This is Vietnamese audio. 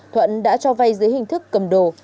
thuận đã cho vai dưới hình thức cầm đồ